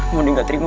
mondi gak terima